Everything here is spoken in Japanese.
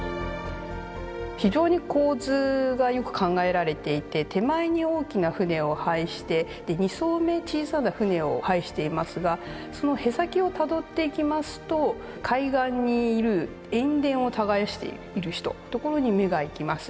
非常に構図がよく考えられていて手前に大きな船を配して２艘目小さな船を配していますがその舳先をたどっていきますと海岸にいる塩田を耕している人所に目がいきます。